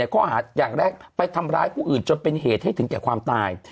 ข้อหาอย่างแรกไปทำร้ายผู้อื่นจนเป็นเหตุให้ถึงแก่ความตาย